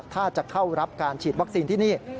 ถ้าจะเข้ารับการฉีดวัคซีนที่นี่